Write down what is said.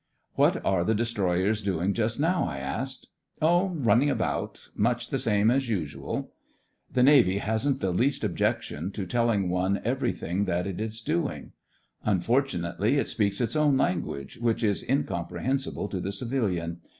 *'What are the destroyers doing just now?" I asked. *'0h — running about — much the same as usual." The Navy hasn't the least objec tion to telling one everything that it is doing. Unfortunately, it speaks its own language, which is incom prehensible to the civilian.